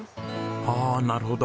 ああなるほど。